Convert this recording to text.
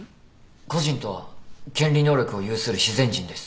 個人とは権利能力を有する自然人です。